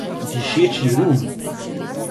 Dišeči rum!